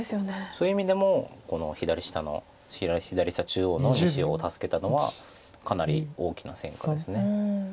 そういう意味でもこの左下の左下中央の２子を助けたのはかなり大きな戦果です。